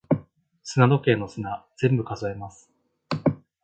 砂時計の砂、全部数えます。